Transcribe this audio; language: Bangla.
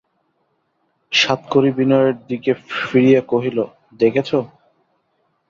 সাতকড়ি বিনয়ের দিকে ফিরিয়া কহিল, দেখেছ!